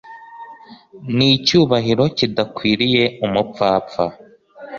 n icyubahiro kidakwiriye umupfapfa